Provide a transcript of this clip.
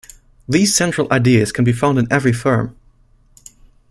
These central ideas can be found in every firm.